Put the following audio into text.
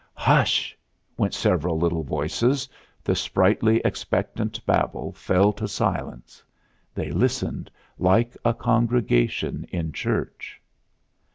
"Hush!" went several little voices; the sprightly, expectant Babel fell to silence; they listened like a congregation in church.